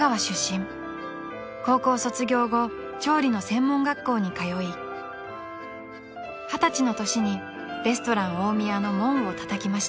［高校卒業後調理の専門学校に通い二十歳の年にレストラン大宮の門をたたきました］